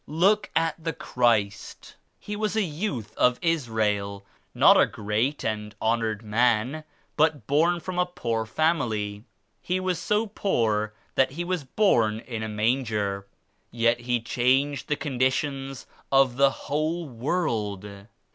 Look at the Christ. He was a youth of Israel, not a great and honored man, but born from a poor family. He was so poor that He was born in a manger; S2 yet He changed the conditions of the whole world.